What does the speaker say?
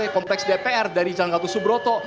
kompleks dpr dari jalan gatus subroto